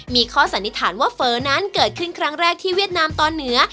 มีข้อสันนิษฐานว่าเฟ้อนั้นเกิดขึ้นครั้งแรกที่เวียดนามตอนเหนือ